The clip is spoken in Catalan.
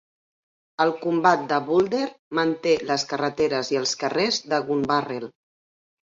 El comtat de Boulder manté les carreteres i els carrers de Gunbarrel.